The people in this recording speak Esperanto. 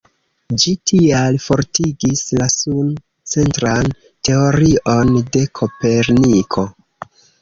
Ĝi tial fortigis la sun-centran teorion de Koperniko.